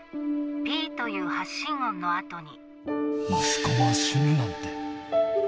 「ピ」という発信音の後に。